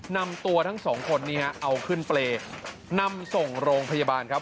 นำตัวทั้งสองคนนี้เอาขึ้นเปรย์นำส่งโรงพยาบาลครับ